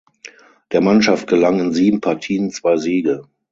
Der Mannschaft gelang in sieben Partien zwei Siege.